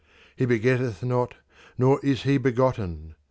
He begetteth not, neither is he begotten.